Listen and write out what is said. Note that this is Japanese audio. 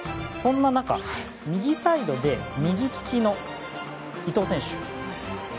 そんな中、右サイドで右利きの伊東選手。